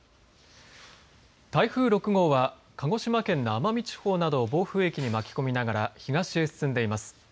台風６号は鹿児島県の奄美地方などを暴風域に巻き込みながら東へ進んでいます。